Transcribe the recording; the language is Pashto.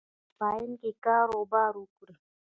او په کمپاین کې کاروبار وکړي.